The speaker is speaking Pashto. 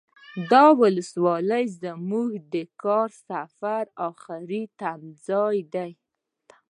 دا ولسوالي زمونږ د کاري سفر اخري تمځای و.